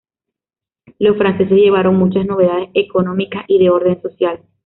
Los franceses llevaron muchas novedades económicas y de orden social.